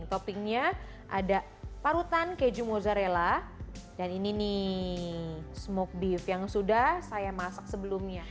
toppingnya ada parutan keju mozzarella dan ini nih smoke beef yang sudah saya masak sebelumnya